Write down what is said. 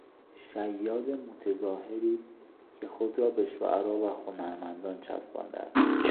شیاد متظاهری که خود را به شعرا و هنرمندان چسبانده است